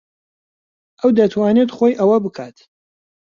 ئەو دەتوانێت خۆی ئەوە بکات.